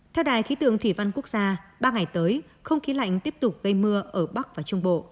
theo đài khí tượng thủy văn quốc gia ba ngày tới không khí lạnh tiếp tục gây mưa ở bắc và trung bộ